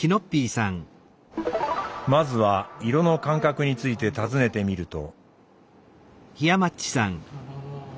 まずは色の感覚について尋ねてみると。